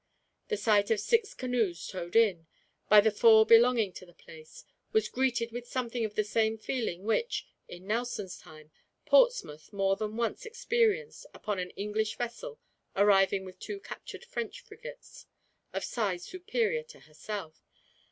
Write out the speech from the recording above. The sight of six canoes towed in, by the four belonging to the place, was greeted with something of the same feeling which, in Nelson's time, Portsmouth more than once experienced upon an English vessel arriving with two captured French frigates, of size superior to herself.